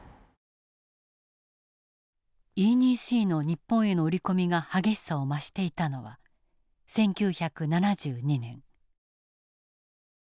Ｅ２Ｃの日本への売り込みが激しさを増していたのは１９７２年。